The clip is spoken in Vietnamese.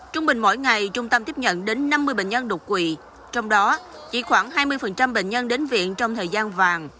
trung bình mỗi ngày trung tâm tiếp nhận đến năm mươi bệnh nhân đột quỵ trong đó chỉ khoảng hai mươi bệnh nhân đến viện trong thời gian vàng